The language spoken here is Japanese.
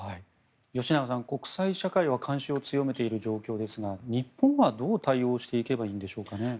吉永さん、国際社会は関心を強めている状況ですが日本はどう対応していけばいいんでしょうかね。